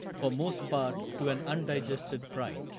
For most part, to an undigested pride.